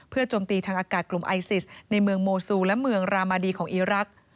โจมตีทางอากาศกลุ่มไอซิสในเมืองโมซูและเมืองรามาดีของอีรักษ์